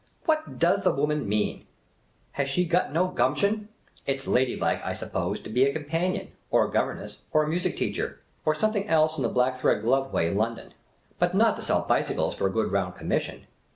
" What does the woman mean ? Has she got no gumption ? It 's ' ladylike,' I suppose, to be a companion, or a governess, or a music teacher, or some thing else in the black thread glove way, in London ; but not to sell bicycles for a good round commission.